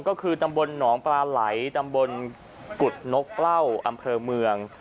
ก็คือตำบลหนองปลาไหลตำบลกุฎนกเล่าอำเภอเมือง